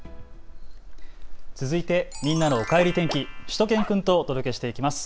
続いてみんなのおかえり天気、しゅと犬くんとお届けしていきます。